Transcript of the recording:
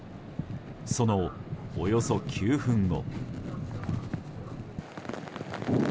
そのおよそ９分後。